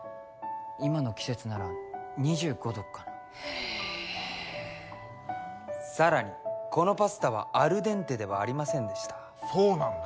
今の季節なら２５度かな・へさらにこのパスタはアルデンテではありませんでしたそうなんだ